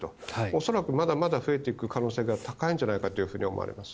恐らくまだまだ増えていく可能性が高いんじゃないかと思われます。